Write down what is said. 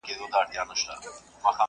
لومړی ملګری د ډاکټرانو٫